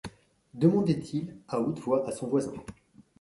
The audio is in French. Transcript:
demandait-il à haute voix à son voisin.